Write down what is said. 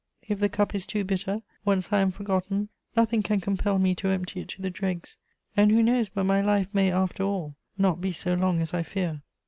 If the cup is too bitter, once I am forgotten, nothing can compel me to empty it to the dregs, and who knows but my life may, after all, not be so long as I fear.